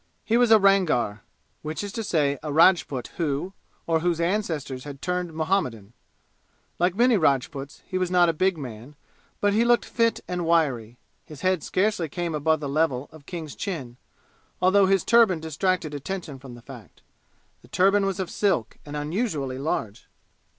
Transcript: He was a Rangar, which is to say a Rajput who, or whose ancestors had turned Muhammadan. Like many Rajputs he was not a big man, but he looked fit and wiry; his head scarcely came above the level of King's chin, although his turban distracted attention from the fact. The turban was of silk and unusually large.